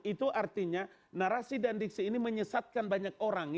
itu artinya narasi dan diksi ini menyesatkan banyak orang